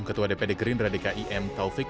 ketua dpd gerindra dki m taufik